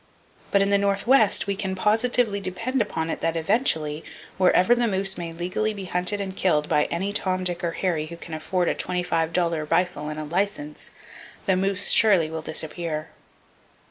But in the northwest, we can positively depend upon it that eventually, wherever the moose may legally be hunted and killed by any Tom, Dick or Harry who can afford a twenty dollar rifle and a license, the moose surely will disappear.